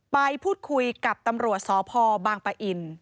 ไปพูดคุยกับตำรวจสพบางปะอิน